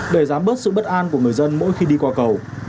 để giảm bớt sự bất an của người dân mỗi khi đi qua cầu